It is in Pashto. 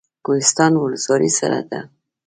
کوهستان ولسوالۍ سړه ده؟